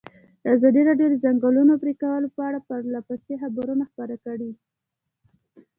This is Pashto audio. ازادي راډیو د د ځنګلونو پرېکول په اړه پرله پسې خبرونه خپاره کړي.